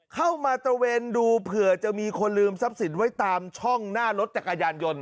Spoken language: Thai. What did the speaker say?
เข้ามาตระเวนดูเผื่อจะมีคนลืมทรัพย์สินไว้ตามช่องหน้ารถจักรยานยนต์